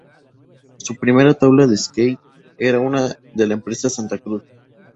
Su primera tabla de skate era de la empresa Santa Cruz.